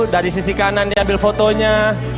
di kanan dia ambil fotonya